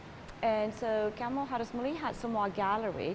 jadi kamu harus melihat semua galeri